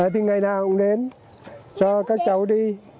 thì ngày nào cũng đến cho các cháu đi